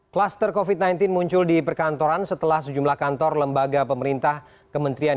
kluster covid sembilan belas muncul di perkantoran setelah sejumlah kantor lembaga pemerintah kementerian